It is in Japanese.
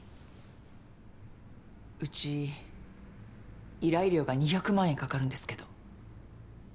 うち依頼料が２００万円かかるんですけど。